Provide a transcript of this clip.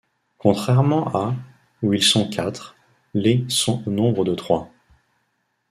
Contrairement à ' où ils sont quatre, les sont au nombre de trois.